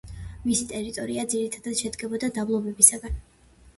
მისი ტერიტორია ძირითადად შედგებოდა დაბლობებისგან.